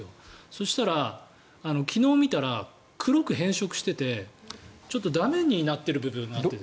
そうしたら、昨日見たら黒く変色しててちょっと駄目になっている部分があって。